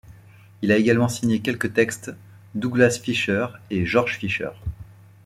Il a également signé quelques textes Douglas Fisher et George Fisher.